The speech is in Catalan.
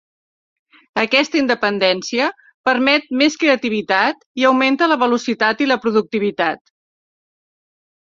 Aquesta independència permet més creativitat i augmenta la velocitat i la productivitat.